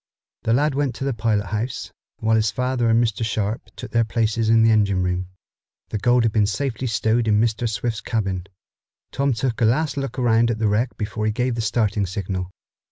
The lad went to the pilot house, while his father and Mr. Sharp took their places in the engine room. The gold had been safely stowed in Mr. Swift's cabin. Tom took a last look at the wreck before he gave the starting signal.